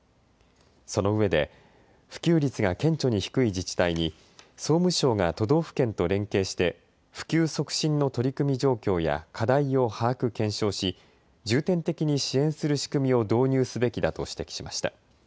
そのうえで普及率が顕著に低い自治体に総務省が都道府県と連携して普及促進の取り組み状況や課題を把握・検証し重点的に支援する仕組みを導入すべきだと指摘しました。